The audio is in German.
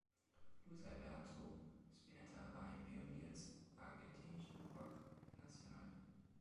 Luis Alberto Spinetta war ein Pionier des argentinischen Rock Nacional.